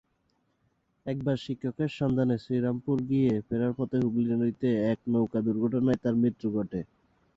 একবার শিক্ষকের সন্ধানে শ্রীরামপুর গিয়ে ফেরার পথে হুগলি নদীতে এক নৌকা-দুর্ঘটনায় তার মৃত্যু ঘটে।